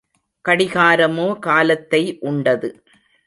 கடிகாரமோ காலத்தை உண்டது.